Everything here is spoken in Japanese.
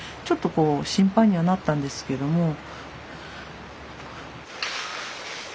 ちょっとこう心配にはなったんですけども。